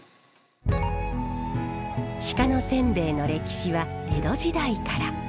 鹿のせんべいの歴史は江戸時代から。